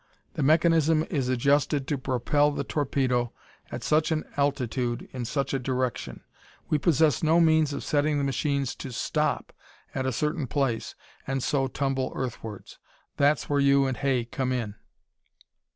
The mechanism is adjusted to propel the torpedo at such an altitude in such a direction. We possess no means of setting the machines to stop at a certain place and so tumble earthwards. That's where you and Hay come in.